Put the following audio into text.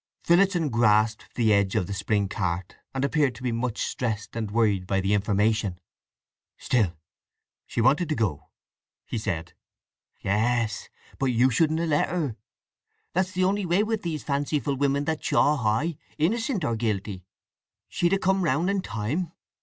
Phillotson grasped the edge of the spring cart, and appeared to be much stressed and worried by the information. "Still—she wanted to go," he said. "Yes. But you shouldn't have let her. That's the only way with these fanciful women that chaw high—innocent or guilty. She'd have come round in time.